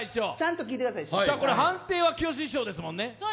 判定はきよし師匠ですよね。